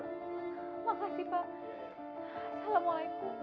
makasih pak assalamualaikum